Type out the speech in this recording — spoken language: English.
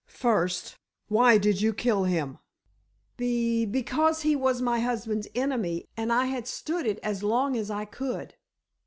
First, why did you kill him?" "Be—because he was my husband's enemy—and I had stood it as long as I could."